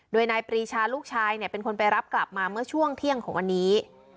โดยนายปรีชาลูกชายเป็นคนไปรับกลับมาเมื่อช่วงเที่ยงของวันนี้